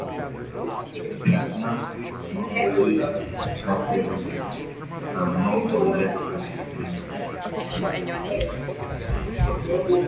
The Atlantic Monthly is staunchly Unionist, and more or less anti-slavery.